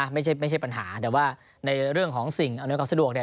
ไม่ใช่ปัญหาแต่ว่าในเรื่องของสิ่งอำนวยความสะดวกเนี่ย